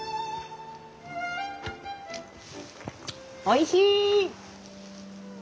おいしい！